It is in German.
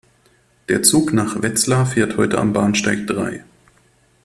Der Zug nach Wetzlar fährt heute am Bahnsteig drei